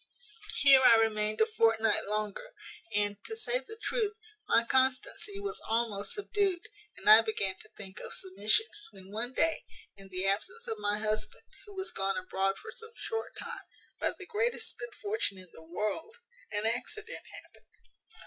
"Here I remained a fortnight longer; and, to say the truth, my constancy was almost subdued, and I began to think of submission; when, one day, in the absence of my husband, who was gone abroad for some short time, by the greatest good fortune in the world, an accident happened.